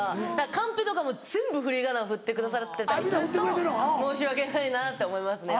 カンペとかも全部振り仮名振ってくださってたりすると申し訳ないなって思いますね。